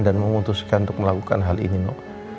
dan memutuskan untuk melakukan hal ini no